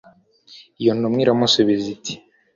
iyo ntumwa iramusubiza iti